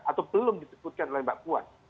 atau belum disebutkan oleh mbak puan